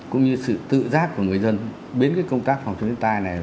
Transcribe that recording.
cũng như sự tự giác của người dân đến công tác phòng chống thiên tai này